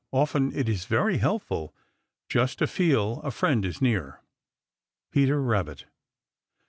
Often it is very helpful Just to feel a friend is near. Peter Rabbit.